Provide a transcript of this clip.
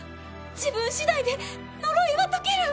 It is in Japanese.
自分次第で呪いは解ける！